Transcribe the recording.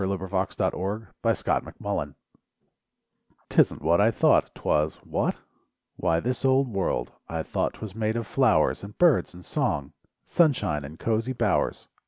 42 LIFE WAVES DISAPPOINTMENT 'Tisn't what I thought 'twas; whatT Why this old world. I thought 'twas made of flowers And birds and song, Sunshine and cosy bowers!